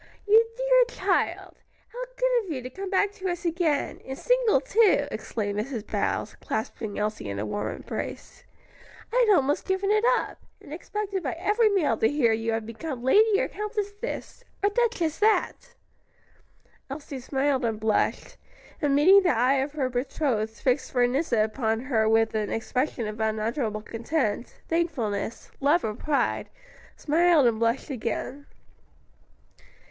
"You dear child! how good of you to come back to us again, and single too," exclaimed Mrs. Bowles, clasping Elsie in a warm embrace; "I'd almost given it up, and expected by every mail to hear you had become Lady or Countess this, or Duchess that." Elsie smiled and blushed, and meeting the eye of her betrothed fixed for an instant upon her with an expression of unutterable content, thankfulness, love and pride, smiled and blushed again.